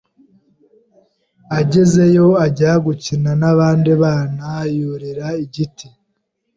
agezeyo ajya gukina n’abandi bana yurira igiti